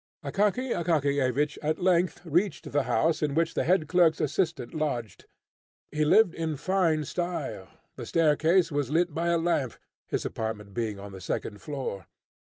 Akaky Akakiyevich at length reached the house in which the head clerk's assistant lodged. He lived in fine style. The staircase was lit by a lamp, his apartment being on the second floor.